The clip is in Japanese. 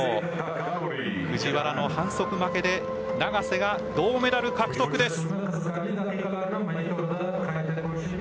藤原の反則負けで永瀬が銅メダル獲得です。